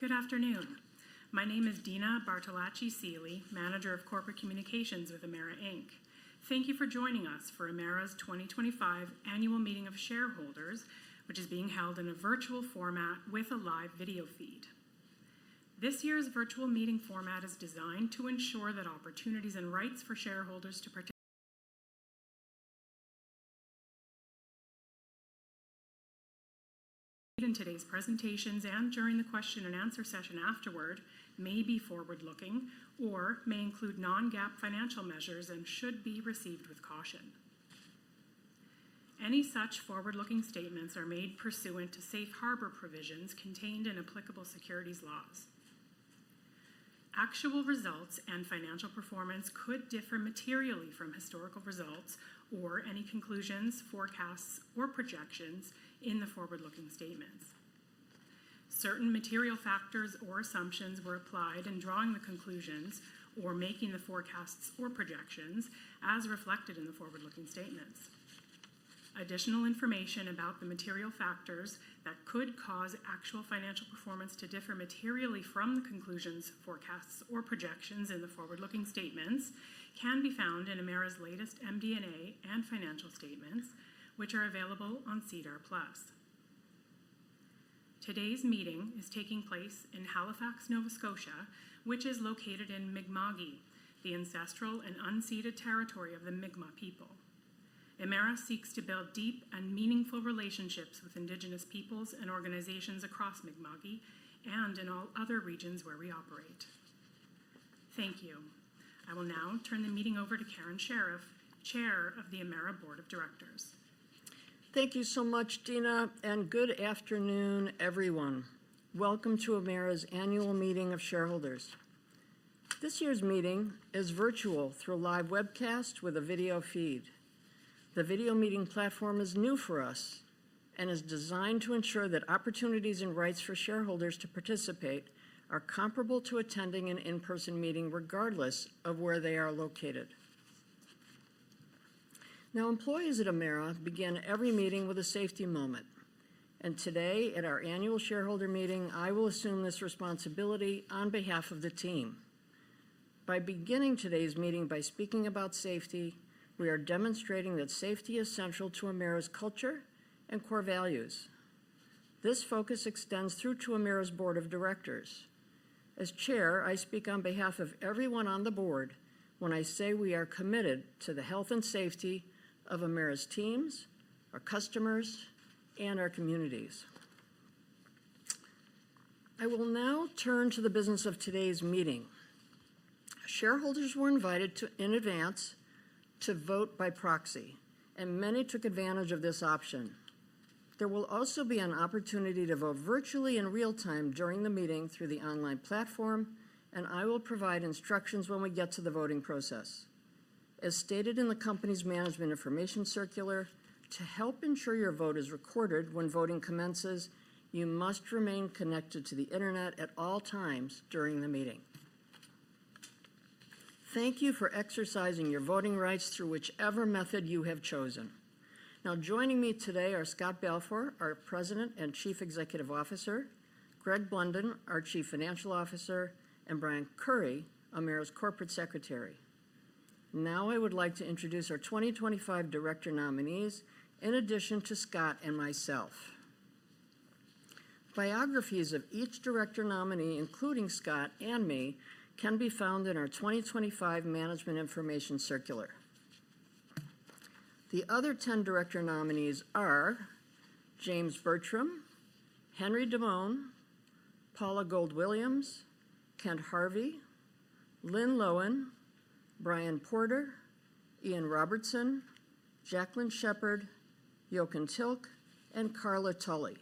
Good afternoon. My name is Dina Bartolacci-Seely, Manager of Corporate Communications with Emera Inc. Thank you for joining us for Emera's 2025 Annual Meeting of Shareholders, which is being held in a virtual format with a live video feed. This year's virtual meeting format is designed to ensure that opportunities and rights for shareholders to participate in the virtual meeting are fully protected and accessible. In today's presentations and during the question-and-answer session afterward, may be forward-looking or may include non-GAAP financial measures and should be received with caution. Any such forward-looking statements are made pursuant to safe harbor provisions contained in applicable securities laws. Actual results and financial performance could differ materially from historical results or any conclusions, forecasts, or projections in the forward-looking statements. Certain material factors or assumptions were applied in drawing the conclusions or making the forecasts or projections as reflected in the forward-looking statements. Additional information about the material factors that could cause actual financial performance to differ materially from the conclusions, forecasts, or projections in the forward-looking statements can be found in Emera's latest MD&A and financial statements, which are available on Cedar Plus. Today's meeting is taking place in Halifax, Nova Scotia, which is located in Mi'kma'ki, the ancestral and unceded territory of the Mi'kmaq people. Emera seeks to build deep and meaningful relationships with Indigenous peoples and organizations across Mi'kma'ki and in all other regions where we operate. Thank you. I will now turn the meeting over to Karen Sheriff, Chair of the Emera Board of Directors. Thank you so much, Dina, and good afternoon, everyone. Welcome to Emera's annual meeting of shareholders. This year's meeting is virtual through a live webcast with a video feed. The video meeting platform is new for us and is designed to ensure that opportunities and rights for shareholders to participate are comparable to attending an in-person meeting regardless of where they are located. Employees at Emera begin every meeting with a safety moment. Today, at our annual shareholder meeting, I will assume this responsibility on behalf of the team. By beginning today's meeting by speaking about safety, we are demonstrating that safety is central to Emera's culture and core values. This focus extends through to Emera's Board of Directors. As Chair, I speak on behalf of everyone on the board when I say we are committed to the health and safety of Emera's teams, our customers, and our communities. I will now turn to the business of today's meeting. Shareholders were invited in advance to vote by proxy, and many took advantage of this option. There will also be an opportunity to vote virtually in real time during the meeting through the online platform, and I will provide instructions when we get to the voting process. As stated in the company's management information circular, to help ensure your vote is recorded when voting commences, you must remain connected to the internet at all times during the meeting. Thank you for exercising your voting rights through whichever method you have chosen. Now, joining me today are Scott Balfour, our President and Chief Executive Officer, Greg Blunden, our Chief Financial Officer, and Brian Curry, Emera's Corporate Secretary. Now, I would like to introduce our 2025 Director Nominees, in addition to Scott and myself. Biographies of each Director Nominee, including Scott and me, can be found in our 2025 Management Information Circular. The other 10 Director Nominees are James Bertram, Henry Dumone, Paula Gold Williams, Kent Harvey, Lynn Loechner, Brian Porter, Ian Robertson, Jacqueline Sheppard, Jochen Tilk, and Karla Tully.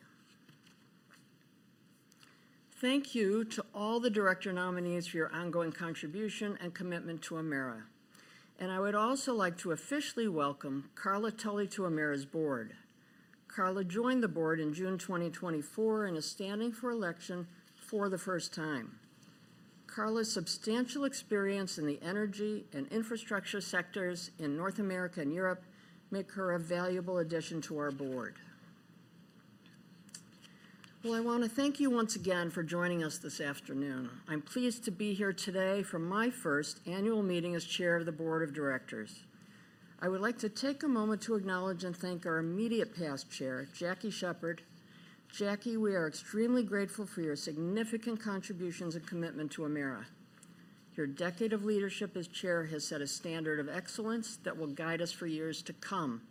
Thank you to all the Director Nominees for your ongoing contribution and commitment to Emera. I would also like to officially welcome Karla Tully to Emera's board. Karla joined the board in June 2024 and is standing for election for the first time. Karla's substantial experience in the energy and infrastructure sectors in North America and Europe makes her a valuable addition to our board. I want to thank you once again for joining us this afternoon. I'm pleased to be here today for my first annual meeting as Chair of the Board of Directors. I would like to take a moment to acknowledge and thank our immediate past Chair, Jackie Sheppard. Jackie, we are extremely grateful for your significant contributions and commitment to Emera. Your decade of leadership as Chair has set a standard of excellence that will guide us for years to come,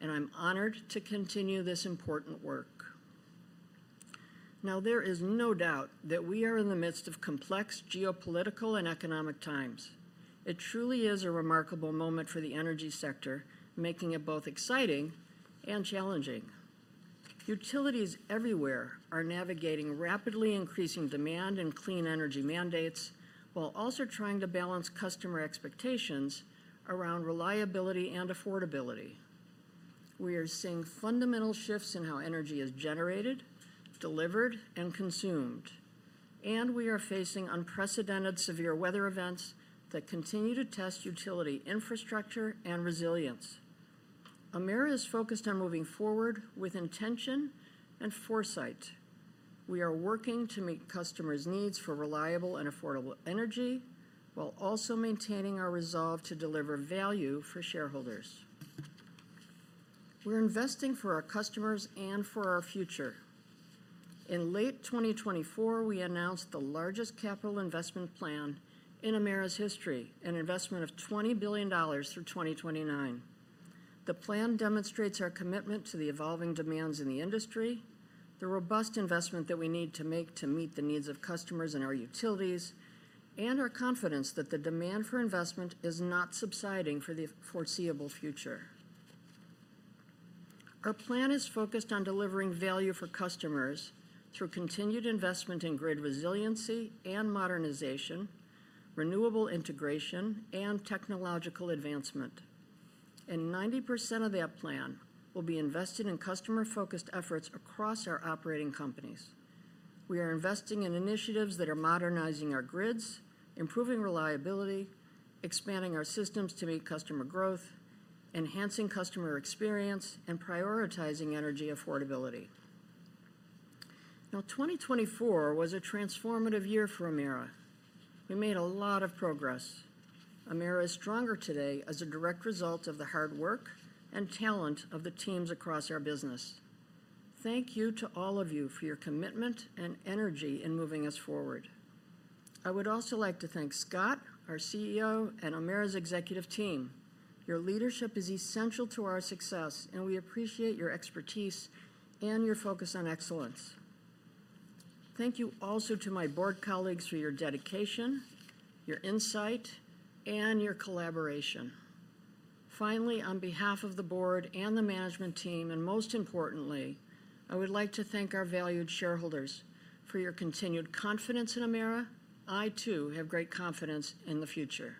and I'm honored to continue this important work. Now, there is no doubt that we are in the midst of complex geopolitical and economic times. It truly is a remarkable moment for the energy sector, making it both exciting and challenging. Utilities everywhere are navigating rapidly increasing demand and clean energy mandates while also trying to balance customer expectations around reliability and affordability. We are seeing fundamental shifts in how energy is generated, delivered, and consumed, and we are facing unprecedented severe weather events that continue to test utility infrastructure and resilience. Emera is focused on moving forward with intention and foresight. We are working to meet customers' needs for reliable and affordable energy while also maintaining our resolve to deliver value for shareholders. We're investing for our customers and for our future. In late 2024, we announced the largest capital investment plan in Emera's history, an investment of 20 billion dollars through 2029. The plan demonstrates our commitment to the evolving demands in the industry, the robust investment that we need to make to meet the needs of customers and our utilities, and our confidence that the demand for investment is not subsiding for the foreseeable future. Our plan is focused on delivering value for customers through continued investment in grid resiliency and modernization, renewable integration, and technological advancement. Ninety percent of that plan will be invested in customer-focused efforts across our operating companies. We are investing in initiatives that are modernizing our grids, improving reliability, expanding our systems to meet customer growth, enhancing customer experience, and prioritizing energy affordability. Now, 2024 was a transformative year for Emera. We made a lot of progress. Emera is stronger today as a direct result of the hard work and talent of the teams across our business. Thank you to all of you for your commitment and energy in moving us forward. I would also like to thank Scott, our CEO, and Emera's executive team. Your leadership is essential to our success, and we appreciate your expertise and your focus on excellence. Thank you also to my board colleagues for your dedication, your insight, and your collaboration. Finally, on behalf of the board and the management team, and most importantly, I would like to thank our valued shareholders for your continued confidence in Emera. I, too, have great confidence in the future.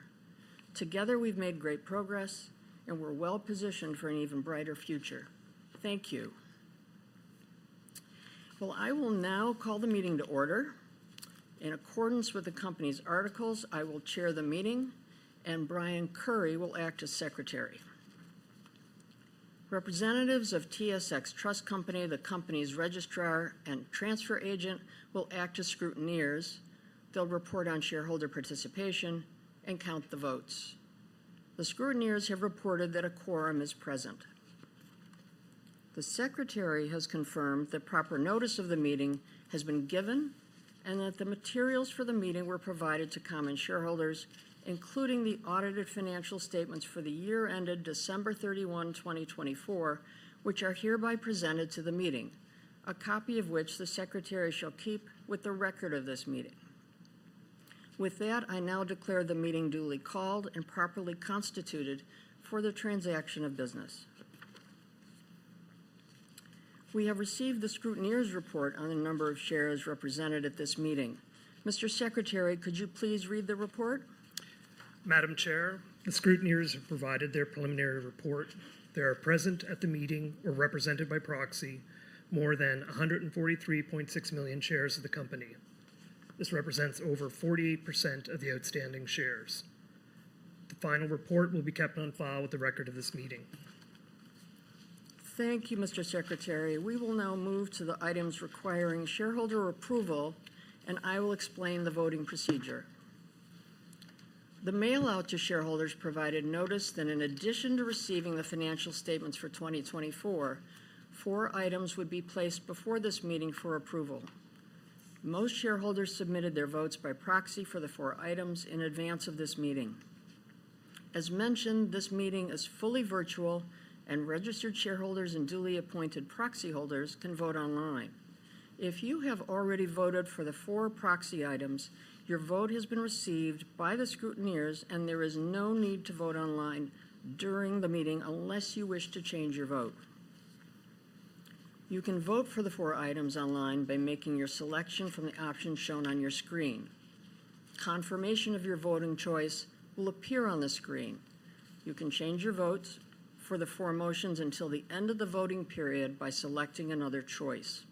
Together, we've made great progress, and we're well-positioned for an even brighter future. Thank you. I will now call the meeting to order. In accordance with the company's articles, I will chair the meeting, and Brian Curry will act as Secretary. Representatives of TSX Trust Company, the company's registrar and transfer agent, will act as scrutineers. They'll report on shareholder participation and count the votes. The scrutineers have reported that a quorum is present. The Secretary has confirmed that proper notice of the meeting has been given and that the materials for the meeting were provided to common shareholders, including the audited financial statements for the year ended December 31, 2024, which are hereby presented to the meeting, a copy of which the Secretary shall keep with the record of this meeting. With that, I now declare the meeting duly called and properly constituted for the transaction of business. We have received the scrutineers' report on the number of shares represented at this meeting. Mr. Secretary, could you please read the report? Madam Chair, the scrutineers have provided their preliminary report. There are present at the meeting or represented by proxy more than 143.6 million shares of the company. This represents over 48% of the outstanding shares. The final report will be kept on file with the record of this meeting. Thank you, Mr. Secretary. We will now move to the items requiring shareholder approval, and I will explain the voting procedure. The mail-out to shareholders provided notice that in addition to receiving the financial statements for 2024, four items would be placed before this meeting for approval. Most shareholders submitted their votes by proxy for the four items in advance of this meeting. As mentioned, this meeting is fully virtual, and registered shareholders and duly appointed proxy holders can vote online. If you have already voted for the four proxy items, your vote has been received by the scrutineers, and there is no need to vote online during the meeting unless you wish to change your vote. You can vote for the four items online by making your selection from the options shown on your screen. Confirmation of your voting choice will appear on the screen. You can change your votes for the four motions until the end of the voting period by selecting another choice.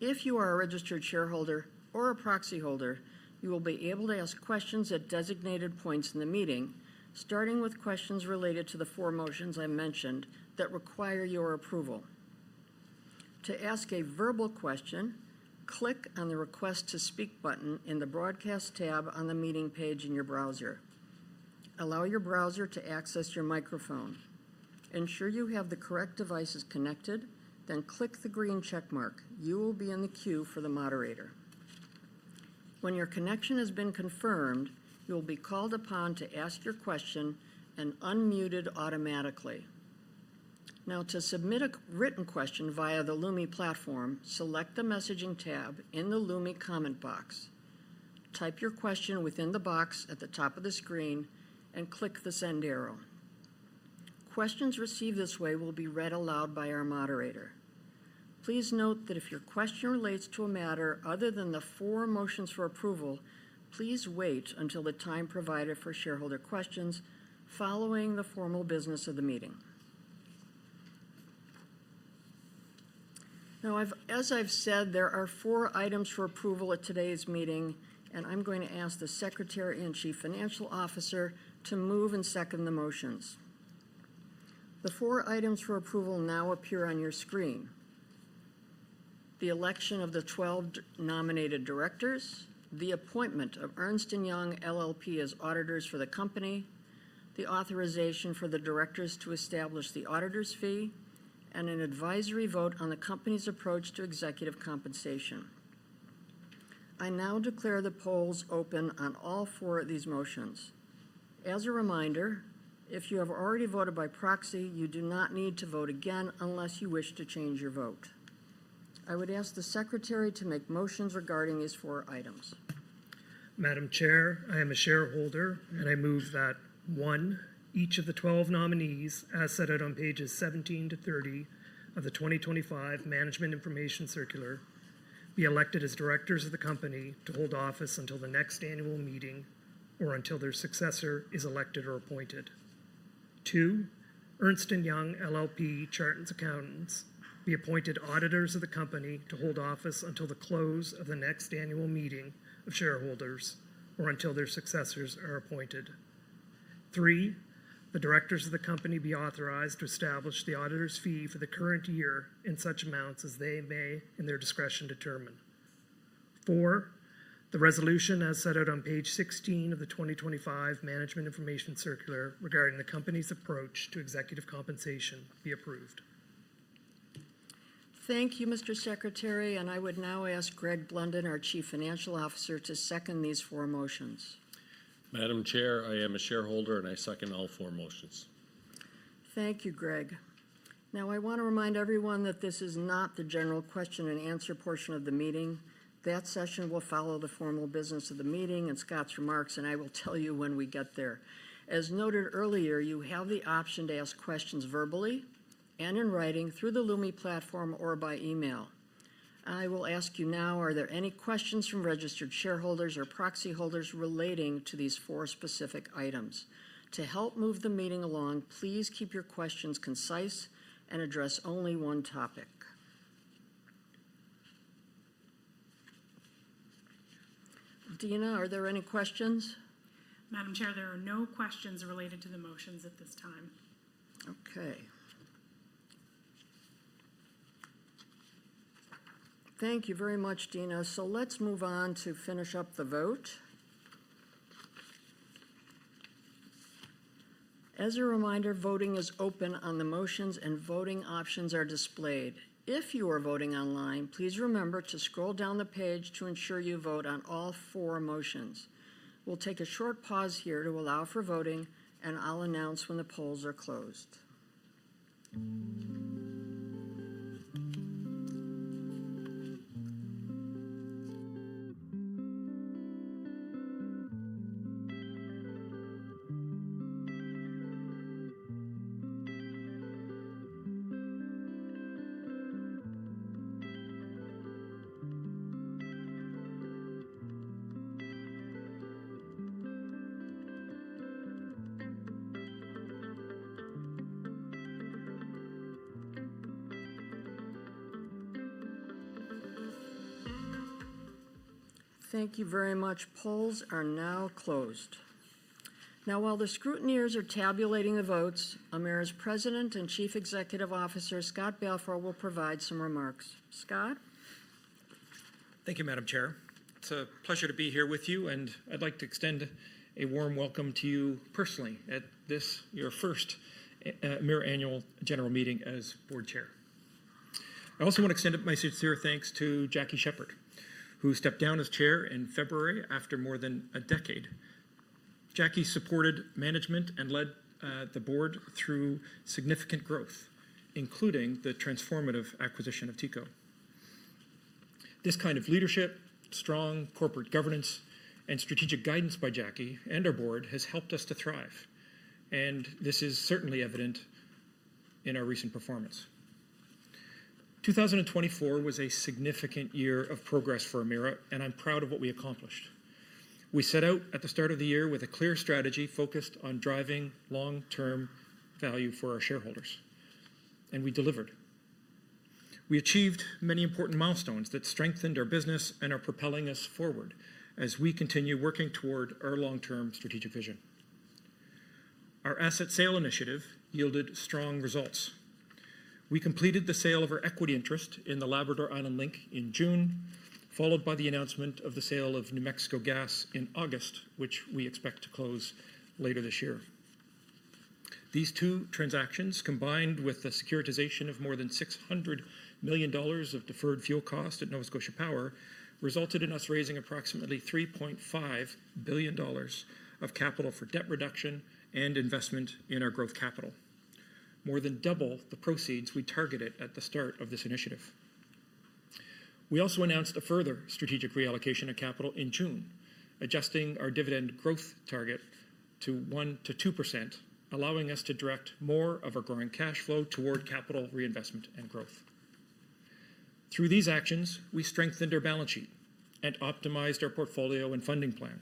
If you are a registered shareholder or a proxy holder, you will be able to ask questions at designated points in the meeting, starting with questions related to the four motions I mentioned that require your approval. To ask a verbal question, click on the Request to Speak button in the Broadcast tab on the meeting page in your browser. Allow your browser to access your microphone. Ensure you have the correct devices connected, then click the green checkmark. You will be in the queue for the moderator. When your connection has been confirmed, you will be called upon to ask your question and unmuted automatically. Now, to submit a written question via the LUMI platform, select the Messaging tab in the LUMI comment box. Type your question within the box at the top of the screen and click the send arrow. Questions received this way will be read aloud by our moderator. Please note that if your question relates to a matter other than the four motions for approval, please wait until the time provided for shareholder questions following the formal business of the meeting. Now, as I've said, there are four items for approval at today's meeting, and I'm going to ask the Secretary and Chief Financial Officer to move and second the motions. The four items for approval now appear on your screen: the election of the 12 nominated directors, the appointment of Ernst & Young LLP as auditors for the company, the authorization for the directors to establish the auditors' fee, and an advisory vote on the company's approach to executive compensation. I now declare the polls open on all four of these motions. As a reminder, if you have already voted by proxy, you do not need to vote again unless you wish to change your vote. I would ask the Secretary to make motions regarding these four items. Madam Chair, I am a shareholder, and I move that one, each of the 12 nominees, as set out on pages 17 to 30 of the 2025 Management Information Circular, be elected as directors of the company to hold office until the next annual meeting or until their successor is elected or appointed. Two, Ernst & Young LLP Chartered Accountants be appointed auditors of the company to hold office until the close of the next annual meeting of shareholders or until their successors are appointed. Three, the directors of the company be authorized to establish the auditor's fee for the current year in such amounts as they may in their discretion determine. Four, the resolution as set out on page 16 of the 2025 Management Information Circular regarding the company's approach to executive compensation be approved. Thank you, Mr. Secretary. I would now ask Greg Blunden, our Chief Financial Officer, to second these four motions. Madam Chair, I am a shareholder, and I second all four motions. Thank you, Greg. Now, I want to remind everyone that this is not the general question and answer portion of the meeting. That session will follow the formal business of the meeting and Scott's remarks, and I will tell you when we get there. As noted earlier, you have the option to ask questions verbally and in writing through the LUMI platform or by email. I will ask you now, are there any questions from registered shareholders or proxy holders relating to these four specific items? To help move the meeting along, please keep your questions concise and address only one topic. Dina, are there any questions? Madam Chair, there are no questions related to the motions at this time. Okay. Thank you very much, Dina. Let's move on to finish up the vote. As a reminder, voting is open on the motions, and voting options are displayed. If you are voting online, please remember to scroll down the page to ensure you vote on all four motions. We'll take a short pause here to allow for voting, and I'll announce when the polls are closed. Thank you very much. Polls are now closed. Now, while the scrutineers are tabulating the votes, Emera's President and Chief Executive Officer, Scott Balfour, will provide some remarks. Scott? Thank you, Madam Chair. It's a pleasure to be here with you, and I'd like to extend a warm welcome to you personally at this, your first Emera Annual General Meeting as Board Chair. I also want to extend my sincere thanks to Jackie Sheppard, who stepped down as Chair in February after more than a decade. Jackie supported management and led the board through significant growth, including the transformative acquisition of TECO. This kind of leadership, strong corporate governance, and strategic guidance by Jackie and our board has helped us to thrive, and this is certainly evident in our recent performance. 2024 was a significant year of progress for Emera, and I'm proud of what we accomplished. We set out at the start of the year with a clear strategy focused on driving long-term value for our shareholders, and we delivered. We achieved many important milestones that strengthened our business and are propelling us forward as we continue working toward our long-term strategic vision. Our asset sale initiative yielded strong results. We completed the sale of our equity interest in the Labrador Island Link in June, followed by the announcement of the sale of New Mexico Gas in August, which we expect to close later this year. These two transactions, combined with the securitization of more than 600 million dollars of deferred fuel cost at Nova Scotia Power, resulted in us raising approximately 3.5 billion dollars of capital for debt reduction and investment in our growth capital, more than double the proceeds we targeted at the start of this initiative. We also announced a further strategic reallocation of capital in June, adjusting our dividend growth target to 1-2%, allowing us to direct more of our growing cash flow toward capital reinvestment and growth. Through these actions, we strengthened our balance sheet and optimized our portfolio and funding plan,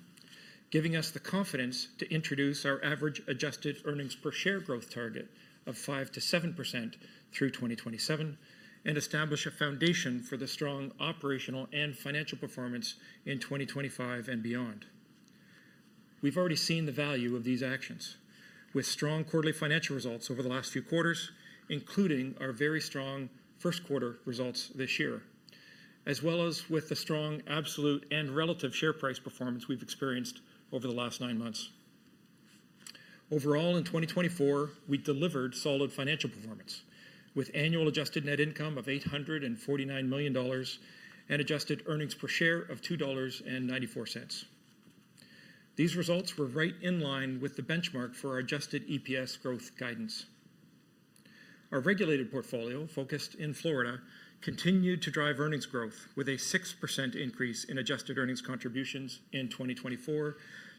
giving us the confidence to introduce our average adjusted earnings per share growth target of 5-7% through 2027 and establish a foundation for the strong operational and financial performance in 2025 and beyond. We've already seen the value of these actions with strong quarterly financial results over the last few quarters, including our very strong first quarter results this year, as well as with the strong absolute and relative share price performance we've experienced over the last nine months. Overall, in 2024, we delivered solid financial performance with annual adjusted net income of 849 million dollars and adjusted earnings per share of 2.94 dollars. These results were right in line with the benchmark for our adjusted EPS growth guidance. Our regulated portfolio, focused in Florida, continued to drive earnings growth with a 6% increase in adjusted earnings contributions in 2024,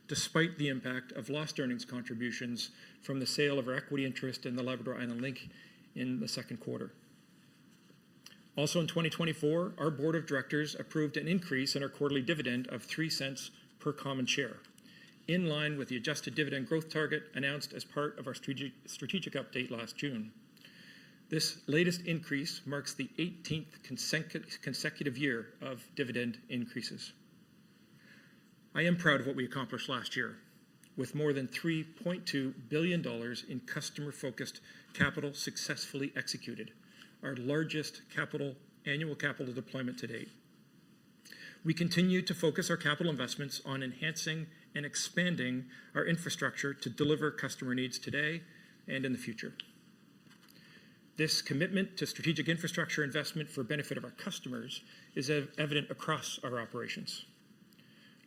despite the impact of lost earnings contributions from the sale of our equity interest in the Labrador Island Link in the second quarter. Also, in 2024, our board of directors approved an increase in our quarterly dividend of 0.03 per common share, in line with the adjusted dividend growth target announced as part of our strategic update last June. This latest increase marks the 18th consecutive year of dividend increases. I am proud of what we accomplished last year with more than 3.2 billion dollars in customer-focused capital successfully executed, our largest annual capital deployment to date. We continue to focus our capital investments on enhancing and expanding our infrastructure to deliver customer needs today and in the future. This commitment to strategic infrastructure investment for benefit of our customers is evident across our operations.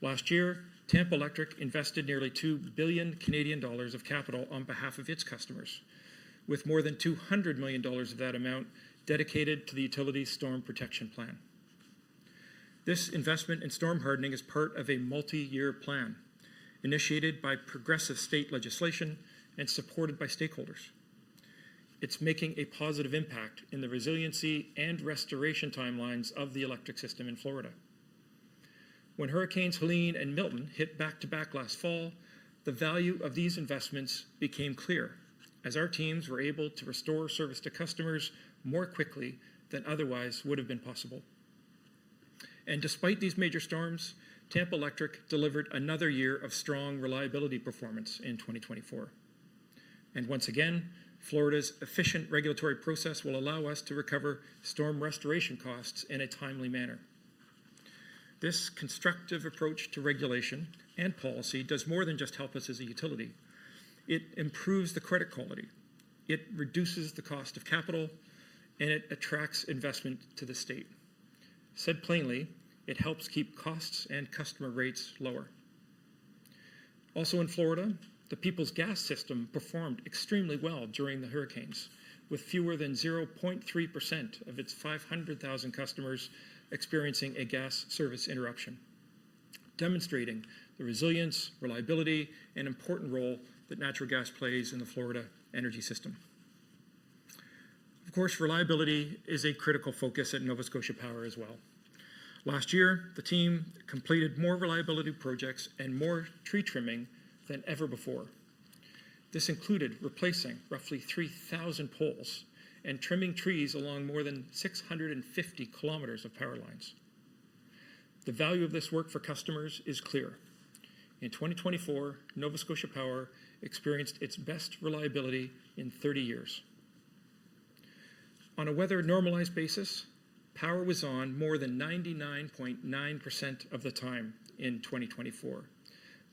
Last year, Tampa Electric invested nearly 2 billion Canadian dollars of capital on behalf of its customers, with more than 200 million dollars of that amount dedicated to the Utility Storm Protection Plan. This investment in storm hardening is part of a multi-year plan initiated by progressive state legislation and supported by stakeholders. It's making a positive impact in the resiliency and restoration timelines of the electric system in Florida. When hurricanes Helene and Milton hit back to back last fall, the value of these investments became clear as our teams were able to restore service to customers more quickly than otherwise would have been possible. Despite these major storms, Tampa Electric delivered another year of strong reliability performance in 2024. Once again, Florida's efficient regulatory process will allow us to recover storm restoration costs in a timely manner. This constructive approach to regulation and policy does more than just help us as a utility. It improves the credit quality, it reduces the cost of capital, and it attracts investment to the state. Said plainly, it helps keep costs and customer rates lower. Also, in Florida, the People's Gas System performed extremely well during the hurricanes, with fewer than 0.3% of its 500,000 customers experiencing a gas service interruption, demonstrating the resilience, reliability, and important role that natural gas plays in the Florida energy system. Of course, reliability is a critical focus at Nova Scotia Power as well. Last year, the team completed more reliability projects and more tree trimming than ever before. This included replacing roughly 3,000 poles and trimming trees along more than 650 km of power lines. The value of this work for customers is clear. In 2024, Nova Scotia Power experienced its best reliability in 30 years. On a weather normalized basis, power was on more than 99.9% of the time in 2024,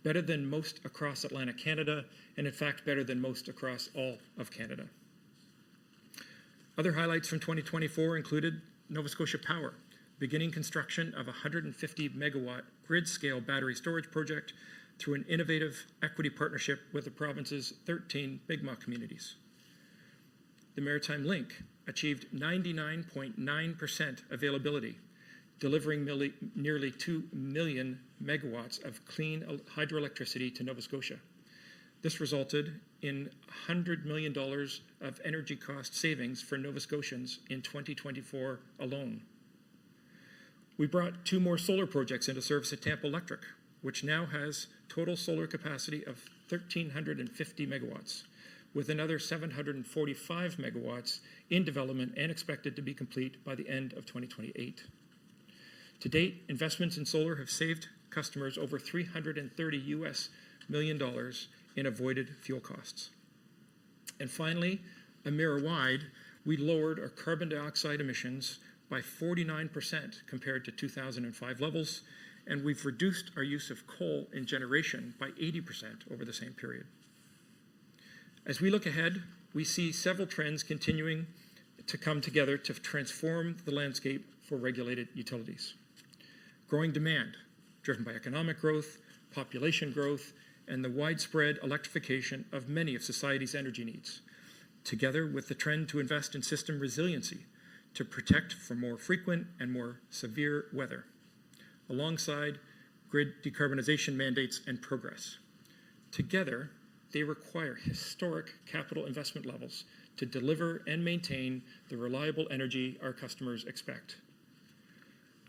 better than most across Atlantic Canada, and in fact, better than most across all of Canada. Other highlights from 2024 included Nova Scotia Power beginning construction of a 150-megawatt grid-scale battery storage project through an innovative equity partnership with the province's 13 Mi'kmaq communities. The Maritime Link achieved 99.9% availability, delivering nearly 2 million megawatt hours of clean hydroelectricity to Nova Scotia. This resulted in 100 million dollars of energy cost savings for Nova Scotians in 2024 alone. We brought two more solar projects into service at Tampa Electric, which now has total solar capacity of 1,350 megawatts, with another 745 megawatts in development and expected to be complete by the end of 2028. To date, investments in solar have saved customers over 330 million dollars in avoided fuel costs. Finally, Emera-wide, we lowered our carbon dioxide emissions by 49% compared to 2005 levels, and we've reduced our use of coal in generation by 80% over the same period. As we look ahead, we see several trends continuing to come together to transform the landscape for regulated utilities: growing demand driven by economic growth, population growth, and the widespread electrification of many of society's energy needs, together with the trend to invest in system resiliency to protect from more frequent and more severe weather, alongside grid decarbonization mandates and progress. Together, they require historic capital investment levels to deliver and maintain the reliable energy our customers expect.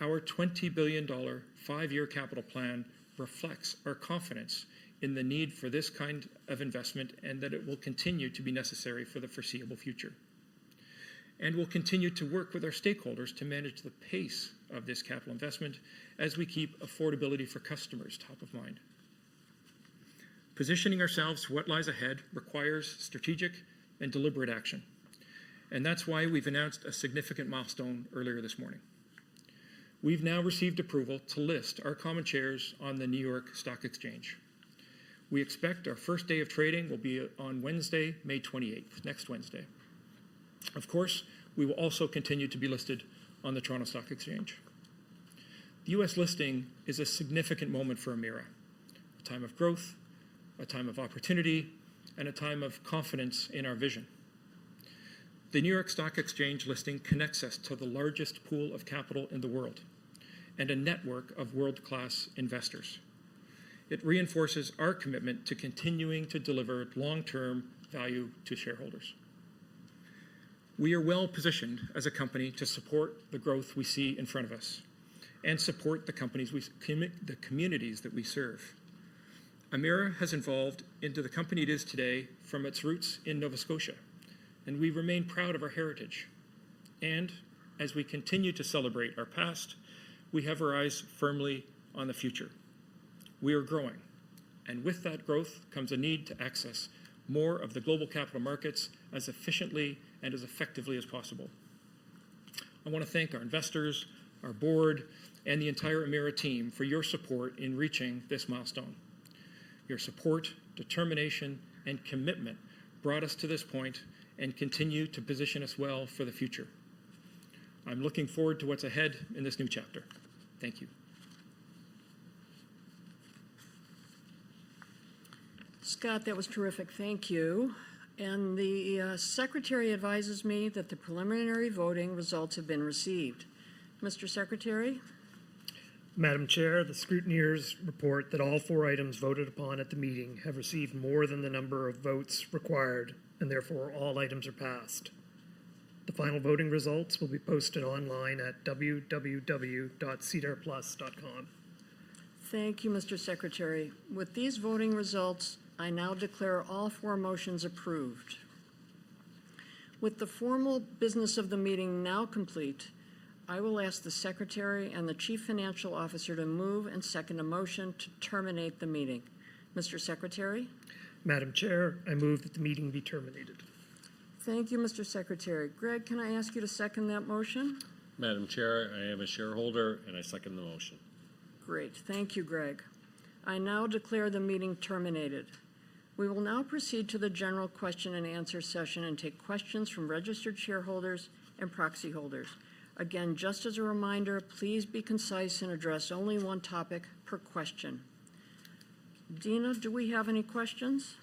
Our 20 billion dollar five-year capital plan reflects our confidence in the need for this kind of investment and that it will continue to be necessary for the foreseeable future. We will continue to work with our stakeholders to manage the pace of this capital investment as we keep affordability for customers top of mind. Positioning ourselves to what lies ahead requires strategic and deliberate action, and that's why we've announced a significant milestone earlier this morning. We've now received approval to list our common shares on the New York Stock Exchange. We expect our first day of trading will be on Wednesday, May 28, next Wednesday. Of course, we will also continue to be listed on the Toronto Stock Exchange. The U.S. listing is a significant moment for Emera: a time of growth, a time of opportunity, and a time of confidence in our vision. The New York Stock Exchange listing connects us to the largest pool of capital in the world and a network of world-class investors. It reinforces our commitment to continuing to deliver long-term value to shareholders. We are well positioned as a company to support the growth we see in front of us and support the communities that we serve. Emera has evolved into the company it is today from its roots in Nova Scotia, and we remain proud of our heritage. As we continue to celebrate our past, we have our eyes firmly on the future. We are growing, and with that growth comes a need to access more of the global capital markets as efficiently and as effectively as possible. I want to thank our investors, our board, and the entire Emera team for your support in reaching this milestone. Your support, determination, and commitment brought us to this point and continue to position us well for the future. I'm looking forward to what's ahead in this new chapter. Thank you. Scott, that was terrific. Thank you. The Secretary advises me that the preliminary voting results have been received. Mr. Secretary? Madam Chair, the scrutineers report that all four items voted upon at the meeting have received more than the number of votes required, and therefore all items are passed. The final voting results will be posted online at www.seedarplt.com. Thank you, Mr. Secretary. With these voting results, I now declare all four motions approved. With the formal business of the meeting now complete, I will ask the Secretary and the Chief Financial Officer to move and second a motion to terminate the meeting. Mr. Secretary? Madam Chair, I move that the meeting be terminated. Thank you, Mr. Secretary. Greg, can I ask you to second that motion? Madam Chair, I am a shareholder, and I second the motion. Great. Thank you, Greg. I now declare the meeting terminated. We will now proceed to the general question and answer session and take questions from registered shareholders and proxy holders. Again, just as a reminder, please be concise and address only one topic per question. Dina, do we have any questions?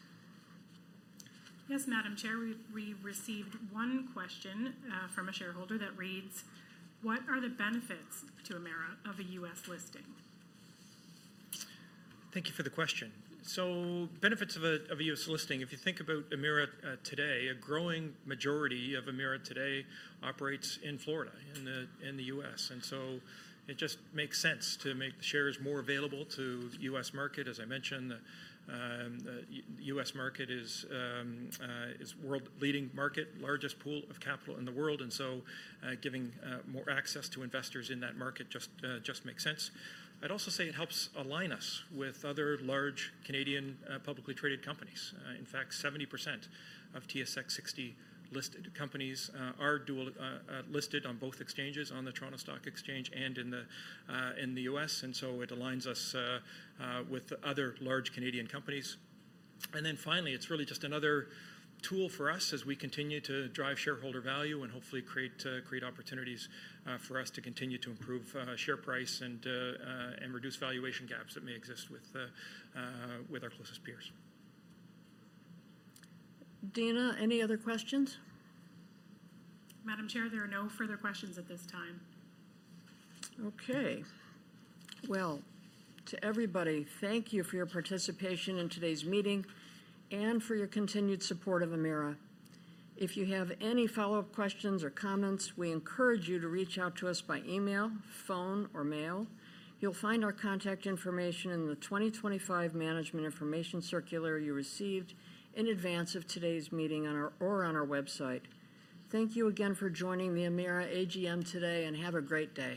Yes, Madam Chair, we received one question from a shareholder that reads, "What are the benefits to Emera of a U.S. listing? Thank you for the question. So, benefits of a U.S. listing, if you think about Emera today, a growing majority of Emera today operates in Florida in the U.S. and so it just makes sense to make the shares more available to the U.S. market. As I mentioned, the U.S. market is a world-leading market, largest pool of capital in the world. And so giving more access to investors in that market just makes sense. I'd also say it helps align us with other large Canadian publicly traded companies. In fact, 70% of TSX-60 listed companies are listed on both exchanges, on the Toronto Stock Exchange and in the U.S. and so it aligns us with other large Canadian companies. Finally, it's really just another tool for us as we continue to drive shareholder value and hopefully create opportunities for us to continue to improve share price and reduce valuation gaps that may exist with our closest peers. Dina, any other questions? Madam Chair, there are no further questions at this time. Okay. To everybody, thank you for your participation in today's meeting and for your continued support of Emera. If you have any follow-up questions or comments, we encourage you to reach out to us by email, phone, or mail. You will find our contact information in the 2025 Management Information Circular you received in advance of today's meeting or on our website. Thank you again for joining the Emera AGM today, and have a great day.